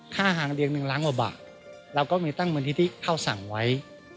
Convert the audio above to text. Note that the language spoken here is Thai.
ค่าหางเดียงนึง๑ล้างบาทเราก็มีตั้งมูลนิธิข้าวสั่งไว้